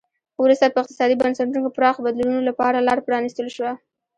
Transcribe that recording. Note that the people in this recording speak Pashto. وروسته په اقتصادي بنسټونو کې پراخو بدلونونو لپاره لار پرانیستل شوه.